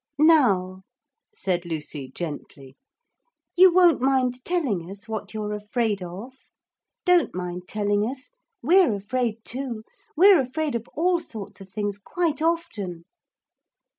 'Now,' said Lucy gently, 'you won't mind telling us what you're afraid of? Don't mind telling us. We're afraid too; we're afraid of all sorts of things quite often.'